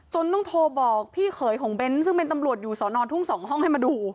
ต้องโทรบอกพี่เขยของเบ้นซึ่งเป็นตำรวจอยู่สอนอนทุ่ง๒ห้องให้มาดู